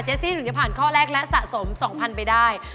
ซี่ถึงจะผ่านข้อแรกและสะสม๒๐๐๐ไปได้